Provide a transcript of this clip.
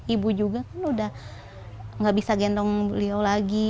ibu juga kan udah gak bisa gendong beliau lagi